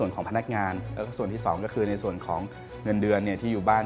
ส่วนของพนักงานแล้วก็ส่วนที่สองก็คือในส่วนของเงินเดือนที่อยู่บ้าน